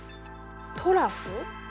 トラフ？